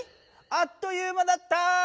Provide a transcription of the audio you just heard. あっという間だった！